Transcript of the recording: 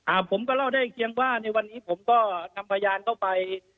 ผมก็เล่าได้เพียงว่าในวันนี้ผมก็นำพยานเข้าไป